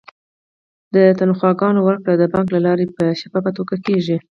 د تنخواګانو ورکړه د بانک له لارې په شفافه توګه کیږي.